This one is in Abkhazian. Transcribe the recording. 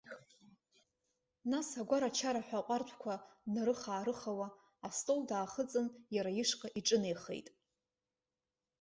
Нас, агәара-чараҳәа аҟәардәқәа днарыха-аарыхауа, астол даахыҵын иара ишҟа иҿынеихеит.